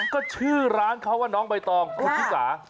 ก็ชื่อร้านเค้าน้องใบตองคุณขี้ส้า